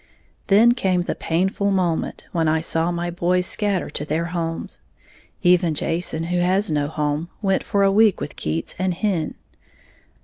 Then came the painful moment when I saw my boys scatter to their homes, even Jason, who has no home, went for a week with Keats and Hen.